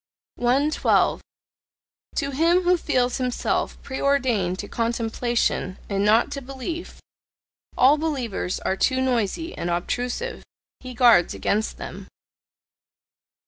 112. To him who feels himself preordained to contemplation and not to belief, all believers are too noisy and obtrusive; he guards against them.